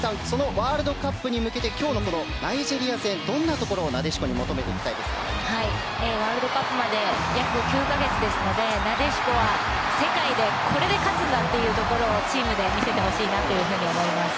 ワールドカップに向けて今日のナイジェリア戦どんなところをワールドカップまで約９か月ですのでなでしこは世界でこれで勝つんだというところをチームで見せてほしいなと思います。